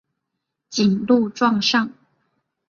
谨录状上。